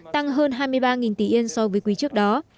tăng hơn hai mươi ba tỷ yên so với quý trước đó